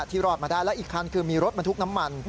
รอดมาได้แล้วอีกคันคือมีรถบรรทุกน้ำมัน